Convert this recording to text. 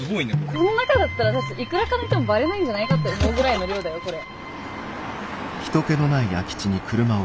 この中だったら私いくらか抜いてもばれないんじゃないかって思うぐらいの量だよこれ。